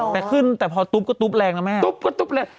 แต่ขึ้นแต่พอตุ๊บก็ตุ๊บแรงนะแม่ตุ๊บก็ตุ๊บเลย